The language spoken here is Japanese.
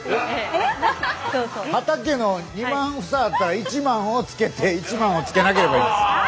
畑の２万房あったら１万をつけて１万はつけなければいいんです。